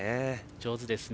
上手ですね。